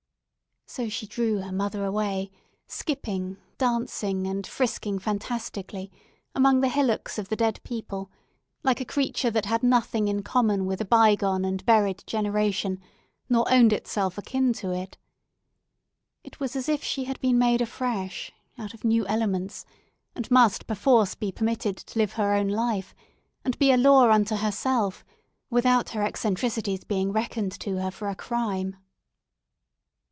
So she drew her mother away, skipping, dancing, and frisking fantastically among the hillocks of the dead people, like a creature that had nothing in common with a bygone and buried generation, nor owned herself akin to it. It was as if she had been made afresh out of new elements, and must perforce be permitted to live her own life, and be a law unto herself without her eccentricities being reckoned to her for a crime.